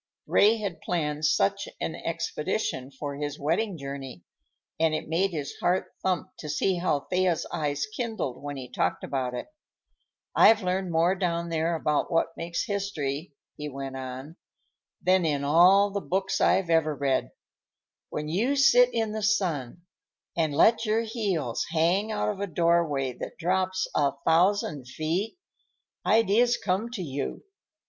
Ray had planned such an expedition for his wedding journey, and it made his heart thump to see how Thea's eyes kindled when he talked about it. "I've learned more down there about what makes history," he went on, "than in all the books I've ever read. When you sit in the sun and let your heels hang out of a doorway that drops a thousand feet, ideas come to you.